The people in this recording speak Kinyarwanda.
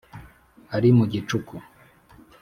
Ari mu gicuku